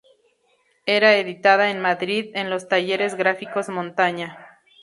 Era editada en Madrid, en los Talleres Gráficos Montaña.